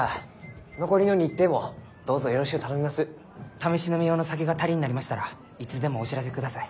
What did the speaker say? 試し飲み用の酒が足りんなりましたらいつでもお知らせください。